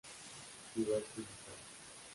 Ciudad principal